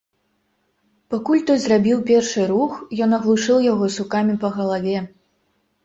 Пакуль той зрабіў першы рух, ён аглушыў яго сукамі па галаве.